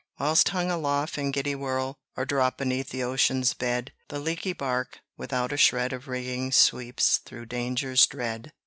Whilst hung aloft in giddy whirl, Or drop beneath the ocean's bed, The leaky bark without a shred Of rigging sweeps through dangers dread.